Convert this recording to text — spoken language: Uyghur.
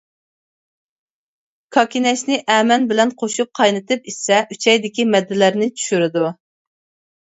كاكىنەچنى ئەمەن بىلەن قوشۇپ قاينىتىپ ئىچسە، ئۈچەيدىكى مەددىلەرنى چۈشۈرىدۇ.